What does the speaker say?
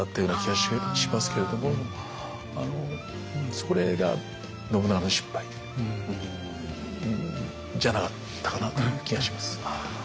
それが信長の失敗じゃなかったかなという気がします。